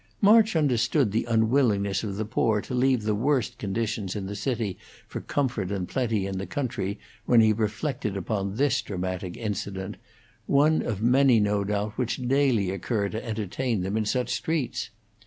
March understood the unwillingness of the poor to leave the worst conditions in the city for comfort and plenty in the country when he reflected upon this dramatic incident, one of many no doubt which daily occur to entertain them in such streets.